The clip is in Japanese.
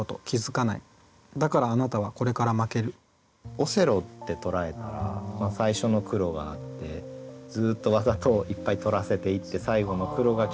オセロって捉えたら最初の黒があってずっとわざといっぱい取らせていって最後の黒がきた時に。